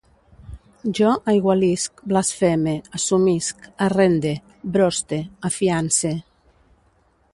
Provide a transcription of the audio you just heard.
Jo aigualisc, blasfeme, assumisc, arrende, broste, afiance